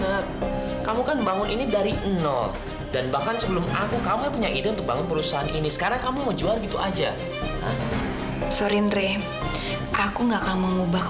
aku mau pindah dan aku mau tinggal di luar kota